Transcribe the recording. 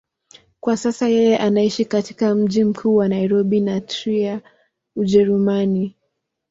Kwa sasa yeye anaishi katika mji mkuu wa Nairobi na Trier, Ujerumani.